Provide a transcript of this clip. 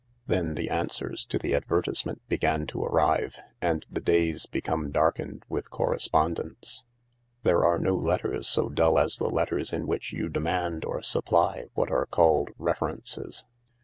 Then the answers to the advertisement began to arrive, and the days become darkened with correspondence. There are no letters so dull as the letters in which you demand or supply what are called " references."